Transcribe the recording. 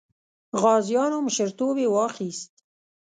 غازیانو مشرتوب یې واخیست.